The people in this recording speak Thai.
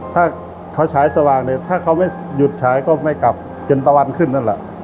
ถ้าเขาฉายสว่างเนี่ยถ้าเขาไม่หยุดฉายก็ไม่กลับเย็นตะวันขึ้นนั่นแหละ